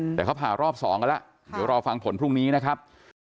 เดี๋ยวเขาพารอบ๒กันแล้วเรารอฟังผลพรุ่งนี้นะครับ